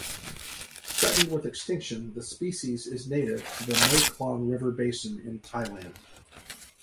Threatened with extinction, the species is native to the Mae Klong river basin in Thailand.